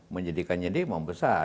menjadikannya memang besar